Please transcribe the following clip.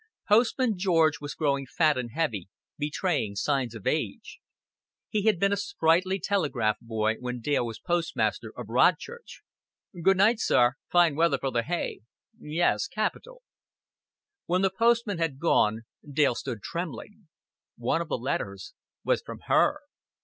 Postman George was growing fat and heavy, betraying signs of age. He had been a sprightly telegraph boy when Dale was postmaster of Rodchurch. "Good night, sir. Fine weather for the hay." "Yes, capital." When the postman had gone Dale stood trembling. One of the letters was from her.